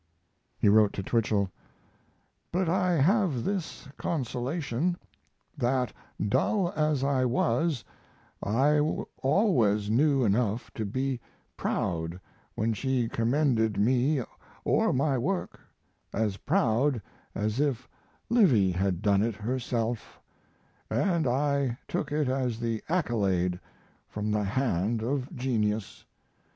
He wrote to Twichell: But I have this consolation: that dull as I was I always knew enough to be proud when she commended me or my work as proud as if Livy had done it herself & I took it as the accolade from the hand of genius.